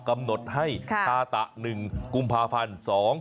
กำหนดให้คาตะ๑กุมภาพันธ์๒๕๖